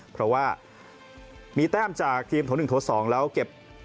เพราะว่ามีแต้มจากทีมโทษหนึ่งโทษสองแล้วเก็บ